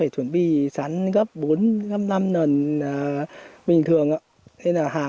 thì mình sẽ tiền thao dớt ạ